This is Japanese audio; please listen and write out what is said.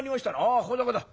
「あここだここだ。